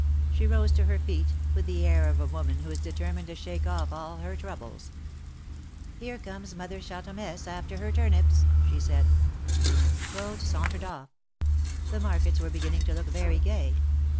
She rose to her feet, with the air of a woman who is determined to shake off all her troubles. "Here comes Mother Chantemesse after her turnips," she said. Claude sauntered off. The markets were beginning to look very gay.